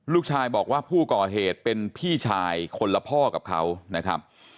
ลูกชายบอกว่าผู้ก่อเหตุเป็นพี่ชายคนละพ่อกับเขานะครับ